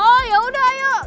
oh yaudah yuk